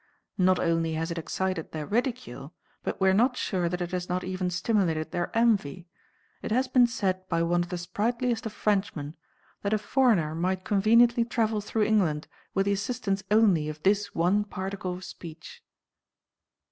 Not only has it excited their ridicule, but we are not sure that it has not even stimulated their envy. It has been said by one of the sprightliest of Frenchmen, that a foreigner might conveniently travel through England with the assistance only of this one particle of speech.